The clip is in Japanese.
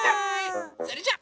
それじゃあ。